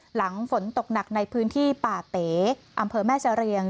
หลังฝนตกหนักในพื้นที่ป่าเต๋อำเภอแม่เสรียง